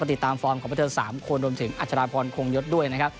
ติดตามฟอร์มของพวกเธอ๓คนรวมถึงอัชราพรคงยศด้วยนะครับ